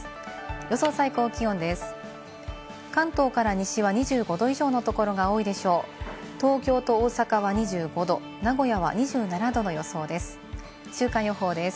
予想最高気温です。